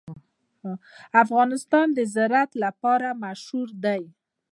افغانستان د زراعت لپاره مشهور دی.